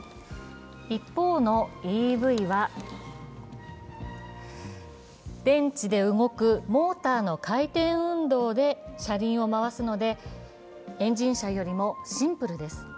一方のＥＶは、電池で動くモーターの回転運動で車輪を回すのでエンジン車よりもシンプルです。